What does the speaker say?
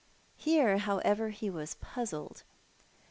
Here, however, he was puzzled.